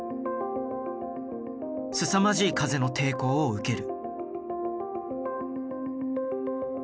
すさまじい風の抵抗を受ける。